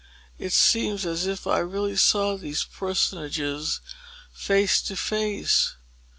It seems as if I really saw these personages face to face.